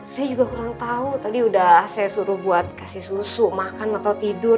saya juga kurang tahu tadi udah saya suruh buat kasih susu makan atau tidur